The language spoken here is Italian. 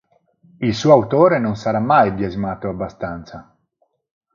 Il suo autore non sarà mai biasimato abbastanza.